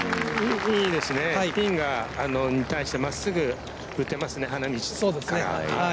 いいですね、ピンに対してまっすぐ打てますね、花道から。